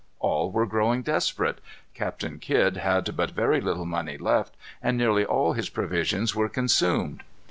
All were growing desperate. Captain Kidd had but very little money left, and nearly all his provisions were consumed.